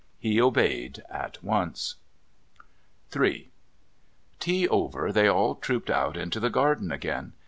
He obeyed at once. III Tea over, they all trooped out into the garden again.